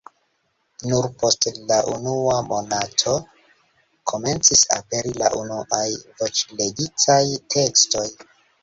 Nur post la unua monato komencis aperi la unuaj voĉlegitaj tekstoj.